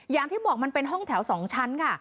อย่างที่บอกมันเป็นห้องแถว๒ชั้นค่ะ